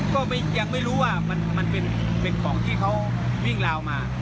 ก็ยังไม่รู้ว่ามันเป็นของที่เขาวิ่งราวมา